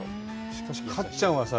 しかしカッちゃんはさ